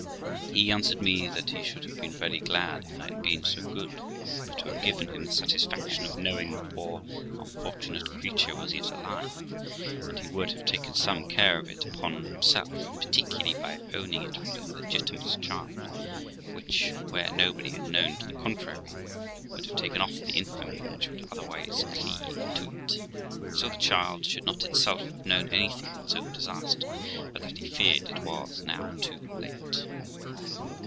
He answered me that he should have been very glad if I had been so good but to have given him the satisfaction of knowing the poor unfortunate creature was yet alive, and he would have taken some care of it upon himself, and particularly by owning it for a legitimate child, which, where nobody had known to the contrary, would have taken off the infamy which would otherwise cleave to it, and so the child should not itself have known anything of its own disaster; but that he feared it was now too late.